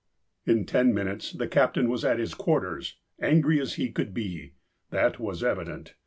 '' In ten minutes the captain was at his quarters, angry as he could be. That was evident.